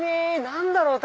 何だろう？